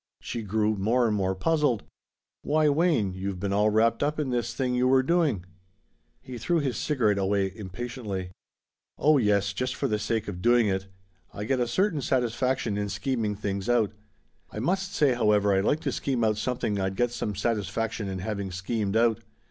She grew more and more puzzled. "Why, Wayne, you've been all wrapped up in this thing you were doing." He threw his cigarette away impatiently. "Oh yes, just for the sake of doing it. I get a certain satisfaction in scheming things out. I must say, however, I'd like to scheme out something I'd get some satisfaction in having schemed out.